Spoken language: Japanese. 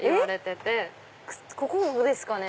ここですかね？